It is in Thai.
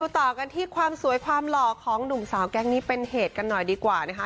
ต่อกันที่ความสวยความหล่อของหนุ่มสาวแก๊งนี้เป็นเหตุกันหน่อยดีกว่านะคะ